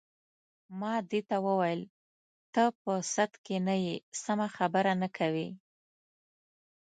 ما دې ته وویل: ته په سد کې نه یې، سمه خبره نه کوې.